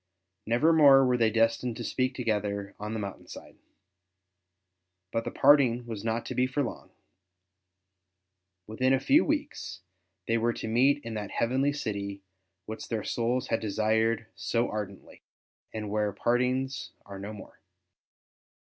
Nevermore were they destined to speak together on the moun tain side. But the parting was not to be for long; within a few weeks they were to meet in that heavenly city which their souls had desired so ardently, and where partings are no more.